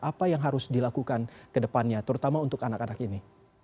apa yang harus dilakukan kedepannya terutama untuk anak anak ini